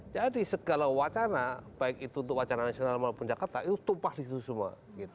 jadi segala wacana baik itu untuk wacana nasional maupun jakarta itu tumpah di situ semua